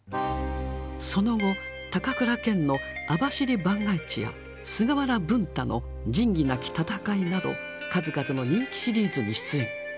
その後高倉健の「網走番外地」や菅原文太の「仁義なき戦い」など数々の人気シリーズに出演。